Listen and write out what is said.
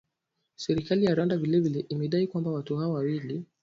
Serikali ya Rwanda vile vile imedai kwamba watu hao wawili